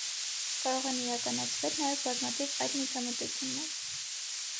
Կարող են իրականացվել նաև բազմաթիվ այլ միջամտություններ։